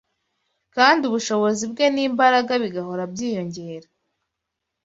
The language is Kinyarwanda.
kandi ubushobozi bwe n’imbaraga bigahora byiyongera